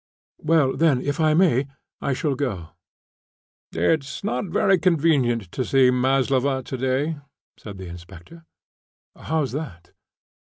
"Well, then, if I may, I shall go." "It's not very convenient to see Maslova to day," said the inspector. "How's that?"